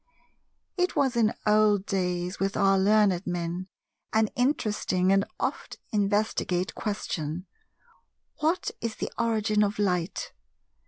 It was in old days, with our learned men, an interesting and oft investigate question, "What is the origin of light?"